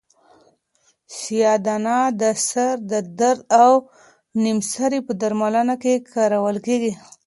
سیاه دانه د سر د درد او نیم سری په درملنه کې کارول کیږي.